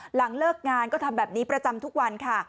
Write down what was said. หลังเลิกงานก็ทำแบบนี้ประจำทุกวันค่ะ